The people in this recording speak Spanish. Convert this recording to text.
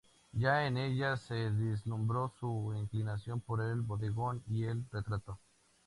Ya en ella se vislumbró su inclinación por el bodegón y el retrato.